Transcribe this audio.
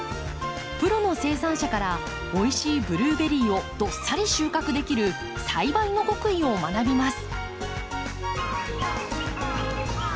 プロの生産者からおいしいブルーベリーをどっさり収穫できる栽培の極意を学びます。